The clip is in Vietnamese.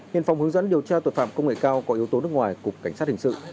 hiện phòng hướng dẫn điều tra tội phạm công nghệ cao có yếu tố nước ngoài cục cảnh sát hình sự